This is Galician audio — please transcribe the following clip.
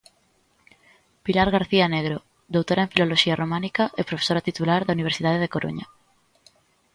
Pilar García Negro, Doutora en Filoloxía Románica e Profesora Titular da Universidade da Coruña.